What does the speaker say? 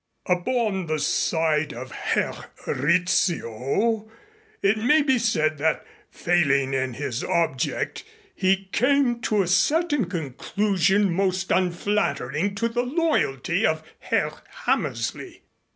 Upon the side of Herr Rizzio it may be said that, failing in his object, he came to a certain conclusion most unflattering to the loyalty of Herr Hammersley.